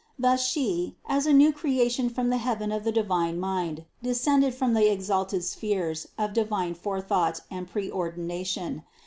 Thus She, as a new creature from the heaven of the divine mind, descended from the ex alted spheres of divine forethought and pre ordination.